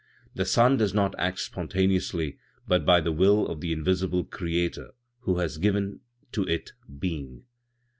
The sun does not act spontaneously, but by the will of the invisible Creator, who has given to it being."